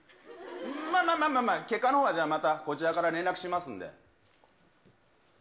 まあまあまあ、結果のほうはまた、こちらから連絡しますんで。